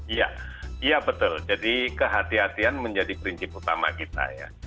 iya iya betul jadi kehatian kehatian menjadi prinsip utama kita ya